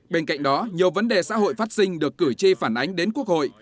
bên cạnh đó nhiều vấn đề xã hội phát sinh được cử tri phản ánh đến quốc hội